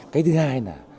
cái thứ hai là